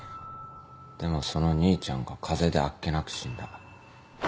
でもその兄ちゃんが風邪であっけなく死んだ。